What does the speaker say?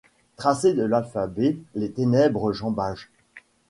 Tracez de l’alphabet les ténébreux jambages ;